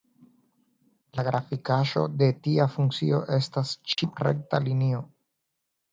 La grafikaĵo de tia funkcio estas ĉiam rekta linio.